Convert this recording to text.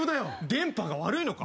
電波が悪いのか？